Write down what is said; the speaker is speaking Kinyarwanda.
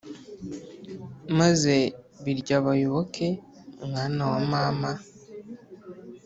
maze biryabayoboke mwana wa mama